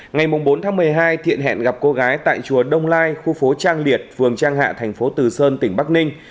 ngày bốn tháng một mươi hai thiện hẹn gặp cô gái tại chùa đông lai khu phố trang liệt vườn trang hạ thành phố từ sơn tỉnh bắc ninh